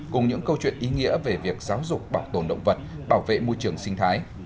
cùng những câu chuyện ý nghĩa về việc giáo dục bảo tồn động vật bảo vệ môi trường sinh thái